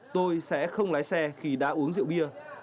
tôi sẽ không lái xe khi đã uống rượu bia